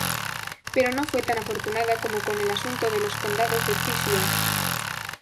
Pero no fue tan afortunada como con el asunto de los condados de Frisia.